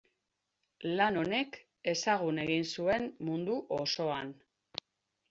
Lan honek ezagun egin zuen mundu osoan.